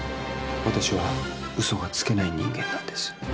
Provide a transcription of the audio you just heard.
私は嘘がつけない人間なんです。